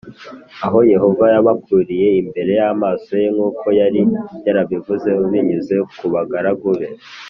Aho Yehova yabakuriye imbere y’amaso ye nk’uko yari yarabivuze binyuze ku bagaragu be